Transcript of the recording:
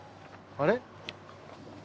あれ？